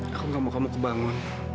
aku gak mau kamu kebangun